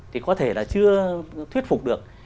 thì có thể là chưa thuyết phục được